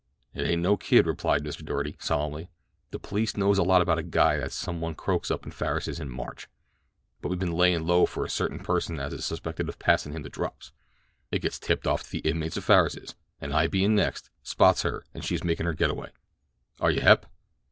"It ain't no kid," replied Mr. Doarty solemnly. "The police knows a lot about the guy that some one croaked up in Farris's in March, but we been layin' low for a certain person as is suspected of passin' him the drops. It gets tipped off to the inmates of Farris's, an' I bein' next, spots her as she is makin' her get away. Are you hep?"